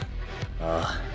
ああ。